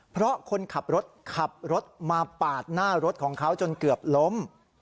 เพราะคนขับรถขับรถมาปาดหน้ารถของเขาจนเกือบล้ม